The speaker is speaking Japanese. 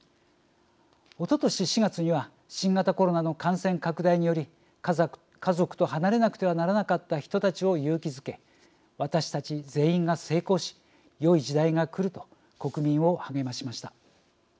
おととし４月には新型コロナの感染拡大により家族と離れなくてはならなかった人たちを勇気づけ私たち全員が成功しよい時代が来ると国民を励ましました。